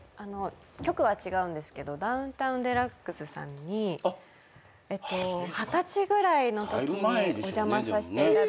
局は違うんですけど『ダウンタウンＤＸ』さんに二十歳ぐらいのときにお邪魔させていただいて。